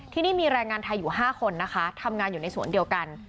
ที่นี่มีแรงงานไทยอยู่๕คนนะคะทำงานอยู่ในสวนเดียวกัน